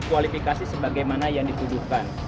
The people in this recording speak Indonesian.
kualifikasi sebagaimana yang dituduhkan